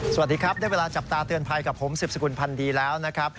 สวัสดีครับได้เวลาจับตาเตือนภัยกับผมสิบสกุลพันธ์ดีแล้วนะครับ